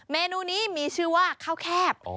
เมนูนี้มีชื่อว่าข้าวแคบ